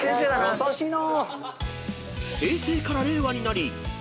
優しいな。